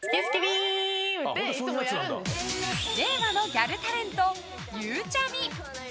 令和のギャルタレントゆうちゃみ！